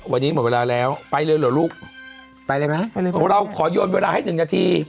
วันนี้หมดเวลาแล้วไปเลยหรอลูกไปเลยมาเราก็ขอยนวัดเวลาให้๑นาที